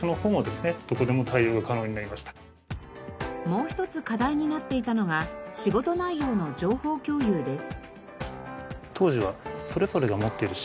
もう一つ課題になっていたのが仕事内容の情報共有です。